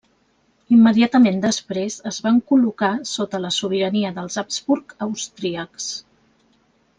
Immediatament després es van col·locar sota la sobirania dels Habsburg austríacs.